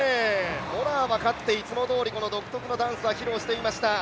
モラアはいつもどおり、独特のダンスを披露していました。